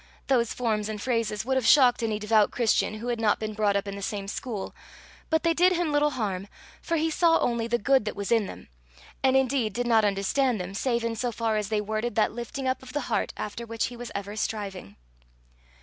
Those forms and phrases would have shocked any devout Christian who had not been brought up in the same school; but they did him little harm, for he saw only the good that was in them, and indeed did not understand them save in so far as they worded that lifting up of the heart after which he was ever striving.